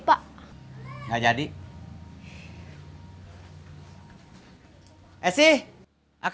gak ada lagi thirsty si emak